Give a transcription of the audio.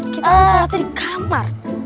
kita kan sholatnya di kamar